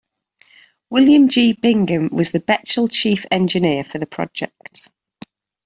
William G. Bingham was the Bechtel Chief Engineer for the project.